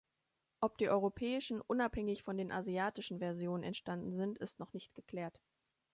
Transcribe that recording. Ob die europäischen unabhängig von den asiatischen Versionen entstanden sind, ist noch nicht geklärt.